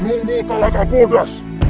menunggu talaga bodas